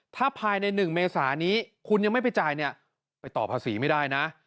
ถ้าภายใน๑เมษานี้คุณยังไม่ไปจ่ายเนี่ยไปต่อภาษีไม่ได้นะ